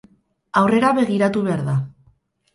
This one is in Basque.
Aurrera begiratu behar da.